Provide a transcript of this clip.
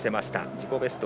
自己ベスト